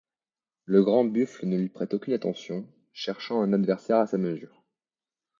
Le grand buffle ne lui prête aucune attention, cherchant un adversaire à sa mesure.